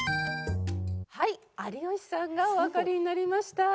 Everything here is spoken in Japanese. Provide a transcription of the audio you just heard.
はい有吉さんがおわかりになりました。